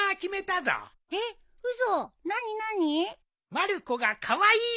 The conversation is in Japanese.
「まる子がカワイイ！」